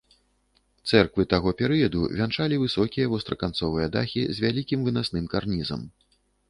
Цэрквы таго перыяду вянчалі высокія востраканцовыя дахі з вялікім вынасным карнізам.